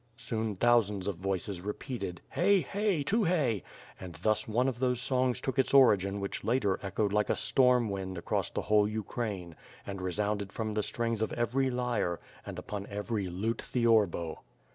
Soon thousands of voices repeated, "Hey! hey! Tukhay!" And thus one of those songs took its origin whicli later echoed like a storm wind across the whole Ukraine, and resounded from the strings of every lyre and every lute theorbo.